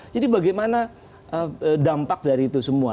jadi bagaimana dampak dari itu semua